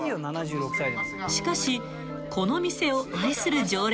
［しかしこの店を愛する］